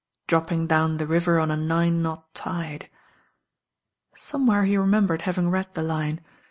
"Dropping down the river on a nine knot tide." Somewhere he rcmen.'jcrcd having read the line.